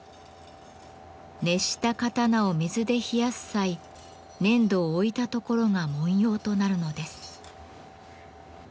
熱した刀を水で冷やす際粘土を置いた所が文様となるのです。